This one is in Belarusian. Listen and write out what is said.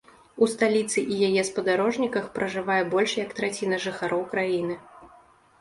У сталіцы і яе спадарожніках пражывае больш як траціна жыхароў краіны.